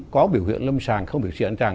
có biểu hiện lâm sàng không biểu hiện